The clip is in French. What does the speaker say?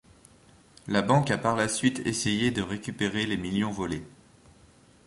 La Banque a par la suite essayé de récupérer les millions volés.